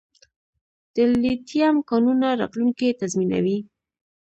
د لیتیم کانونه راتلونکی تضمینوي